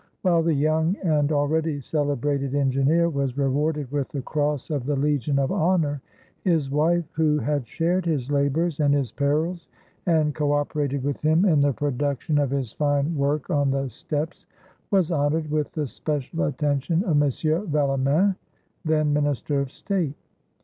While the young and already celebrated engineer was rewarded with the Cross of the Legion of Honour, his wife, who had shared his labours and his perils, and co operated with him in the production of his fine work on the Steppes, was honoured with the special attention of M. Villemain, then Minister of State.